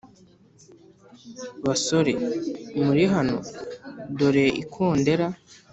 basore muri hano; dore ikondera